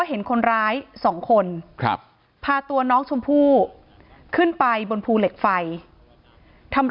เห็นคนร้ายสองคนครับพาตัวน้องชมพู่ขึ้นไปบนภูเหล็กไฟทำ